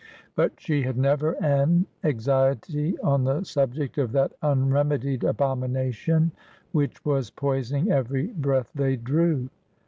But she had never an anxiety on the subject of that unremedied abomination which was poisoning every breath they drew.